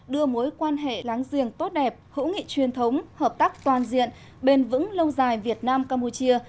đưa mối quan hệ láng giềng tốt đẹp hữu nghị truyền thống hợp tác toàn diện bền vững lâu dài việt nam campuchia